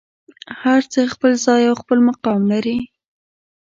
هر څه خپل ځای او خپل مقام لري.